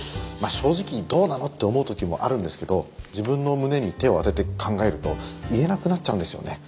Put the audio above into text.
正直どうなの？って思う時もあるんですけど自分の胸に手を当てて考えると言えなくなっちゃうんですよね。